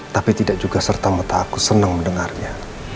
tapi tidak juga serta merta aku senang mendengarnya